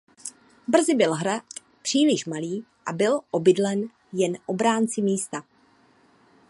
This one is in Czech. Brzy byl hrad příliš malý a byl obydlen jen obránci místa.